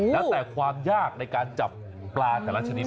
แล้วแต่ความยากในการจับปลาแต่ละชนิด